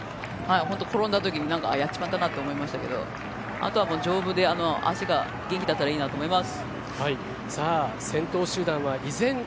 本当転んだ時にやっちまったなと思いましたけどあとは丈夫で足が元気だったらいいなと思います。